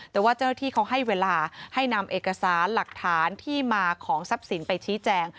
แต่ว่าเจ้าหน้าที่เขาให้เวลาให้นำเอกสารหลักฐานที่มาของทรัพย์สินไปชี้แจง